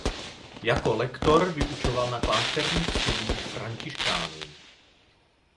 Jako lektor vyučoval na klášterních studiích františkánů.